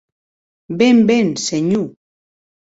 Ben, ben, senhor!